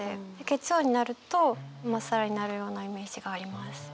月曜になるとまっさらになるようなイメージがあります。